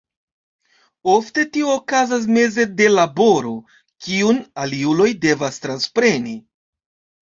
Ofte tio okazas meze de laboro, kiun aliuloj devas transpreni.